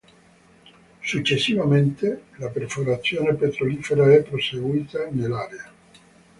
Successivamente, la perforazione petrolifera è proseguita nell'area.